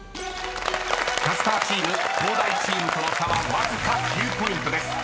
［キャスターチーム東大チームとの差はわずか９ポイントです］